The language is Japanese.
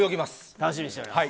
楽しみにしております。